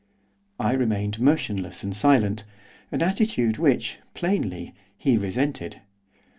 I remained motionless and silent, an attitude which, plainly, he resented.